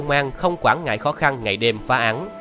các chiến sĩ công an không quản ngại khó khăn ngày đêm phá án